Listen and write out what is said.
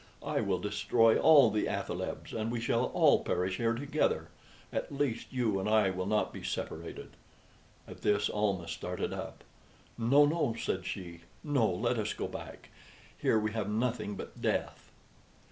I will destroy all the athalebs, and we shall all perish here together. At least, you and I will not be separated." At this Almah started up. "No, no," said she "no; let us go back. Here we have nothing but death."